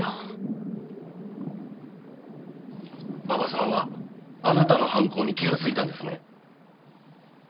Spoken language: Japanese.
馬場さんはあなたの犯行に気がついたんですね？